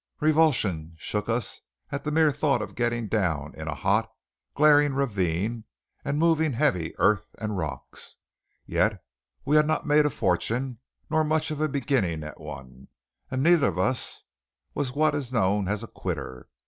Revulsion shook us at the mere thought of getting down in a hot, glaring ravine and moving heavy earth and rocks. Yet we had not made a fortune, nor much of a beginning at one, and neither of us was what is known as a quitter.